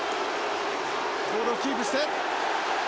ボールをキープして。